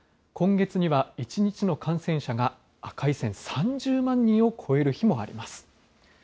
今月には１日の感染者が赤い線、３０万人を超える日もあります。